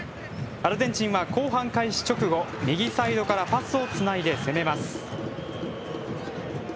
アルゼンチンは後半開始直後右サイドからパスをつないで攻めます。